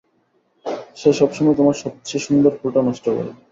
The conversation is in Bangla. সে সবসময় তোমার সবচেয়ে সুন্দর ফুলটা নষ্ট করে।